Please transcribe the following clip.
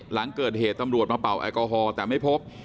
หลังเกิดเหตุตำรวจมาเป่าแอลกอฮอลแต่ไม่พบ